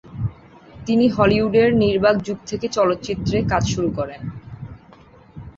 তিনি হলিউডের নির্বাক যুগ থেকে চলচ্চিত্রে কাজ শুরু করেন।